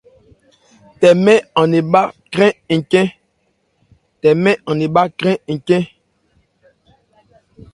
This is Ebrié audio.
Tɛmɛ̂ an nɛ̂n má krɛn ncɛ́n.